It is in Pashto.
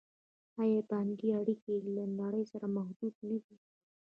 آیا بانکي اړیکې یې له نړۍ سره محدودې نه دي؟